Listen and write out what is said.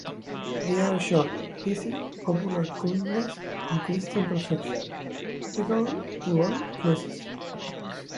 They are short, pithy, popular counsels on Christian perfection, applicable to all classes.